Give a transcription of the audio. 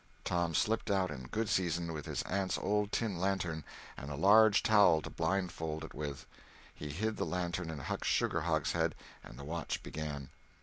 Tom slipped out in good season with his aunt's old tin lantern, and a large towel to blindfold it with. He hid the lantern in Huck's sugar hogshead and the watch began.